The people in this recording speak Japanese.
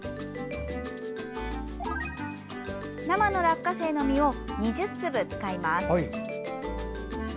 生の落花生の実を２０粒使います。